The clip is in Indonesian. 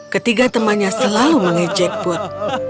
ketiga temannya selalu mengejet bud